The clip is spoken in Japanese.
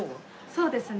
そうですね。